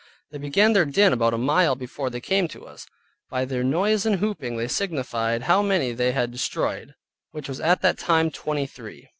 They began their din about a mile before they came to us. By their noise and hooping they signified how many they had destroyed (which was at that time twenty three).